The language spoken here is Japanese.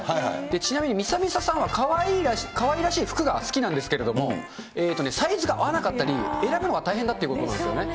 ちなみにみさみささんは、かわいらしい服が好きなんですけれども、サイズが合わなかったり、選ぶのが大変だっていうことなんですよね。